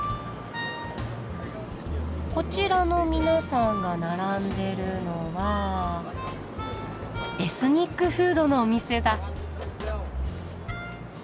こちらの皆さんが並んでるのはエスニックフードのお店だ。